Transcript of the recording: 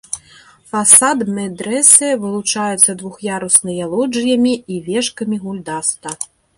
Фасад медрэсэ вылучаецца двух'ярусныя лоджыямі і вежкамі-гульдаста.